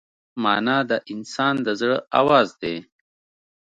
مانا د انسان د زړه آواز دی.